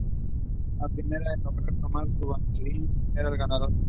La primera en lograr tomar su banderín era el ganador.